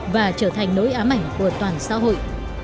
và trở thành nỗi ám ảnh của toàn xã hội